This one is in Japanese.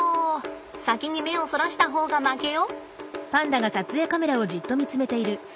先に目をそらした方が負けよ。